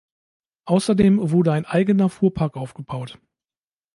Außerdem wurde ein eigener Fuhrpark aufgebaut.